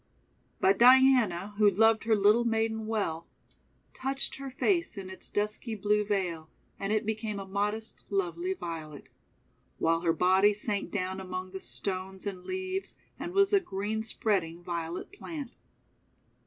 But Diana, who loved her little maiden well, touched her face in its dusky blue veil, and it became a modest, lovely Violet; while her body sank down among the stones and leaves, and was a green spreading Violet plant.